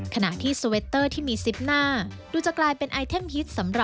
ขณะที่สเวตเตอร์ที่มีซิปหน้า